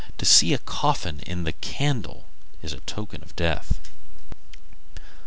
To see a coffin in the candle is a token of death.